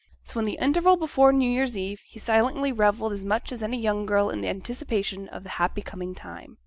So in the interval before New Year's Eve, he silently revelled as much as any young girl in the anticipation of the happy coming time.